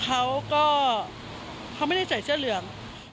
เขาก็เขาไม่ได้ใส่เสื้อเหลือง